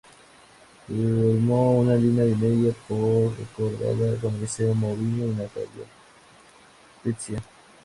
Formó una línea media muy recordada con Eliseo Mouriño y Natalio Pescia.